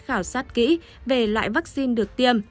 khảo sát kỹ về loại vaccine được tiêm